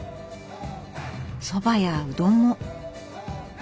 そばやうどんも。